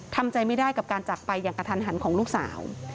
ทำใจไม่ได้กับการจากไปอย่างกระทันหันของลูกสาว